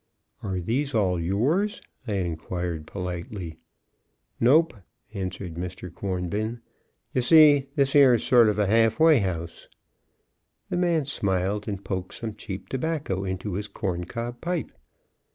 "Are these all yours?" I inquired, politely. "Nope," answered Mr. Cornbin. "Ye see, this 'ere's sort of a half way house;" the man smiled, and poked some cheap tobacco into his corn cob pipe.